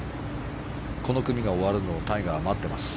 この組が終わるのをタイガー、待っています。